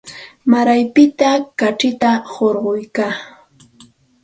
Maaraspitam kachita hurquyan.